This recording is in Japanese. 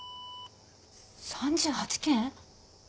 ３８件？